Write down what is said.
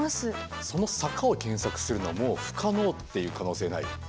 その坂を検索するのはもう不可能っていう可能性ない？